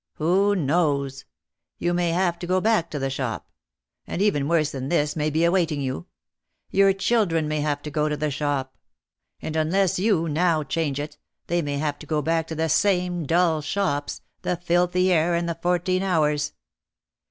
Who knows ! You may have to go back to the shop. And even worse than this may be awaiting you. Your children may have to go to the shop ! And unless you, now, change it, they may have to go back to the same dull shops, the filthy air and the fourteen hours.